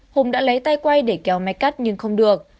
hùng đã lấy tay quay để kéo máy cắt nhưng không được